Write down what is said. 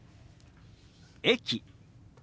「駅」。